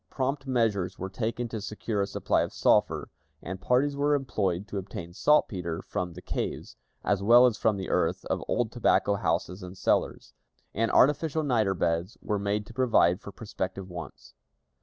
Prompt measures were taken to secure a supply of sulphur, and parties were employed to obtain saltpeter from the caves, as well as from the earth of old tobacco houses and cellars; and artificial niter beds were made to provide for prospective wants.